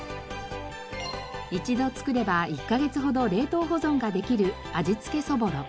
一度作れば１カ月ほど冷凍保存ができる味付けそぼろ。